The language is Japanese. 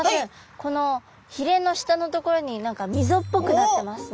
このひれの下の所に何か溝っぽくなってますね。